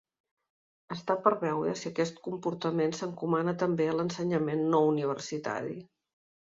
Està per veure si aquest comportament s’encomana també a l’ensenyament no-universitari.